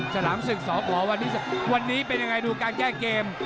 ฉลามศึกสอบขอวันนี้เป็นยังไงดูการแจ้เกม